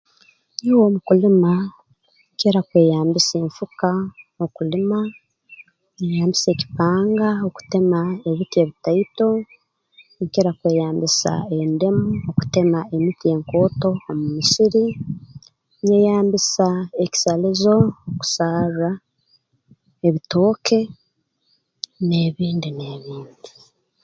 Nyowe mu kulima nkira kweyambisa enfuka okulima nyeyambisa ekipanga okutema ebiti ebitaito nkira kweyambisa endemu okutema emiti enkooto omu musiri nyeyambisa ekisalizo kusarra ebitooke n'ebindi n'ebindi